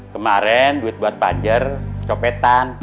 kemarin duit buat panjer copetan